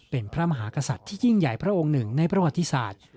เป็นพระมหากษัตริย์ที่ยิ่งใหญ่พระองค์หนึ่งในประวัติศาสตร์